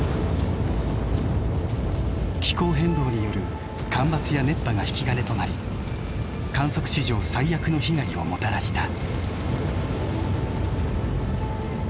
気候変動による干ばつや熱波が引き金となり観測史上最悪の被害をもたらした。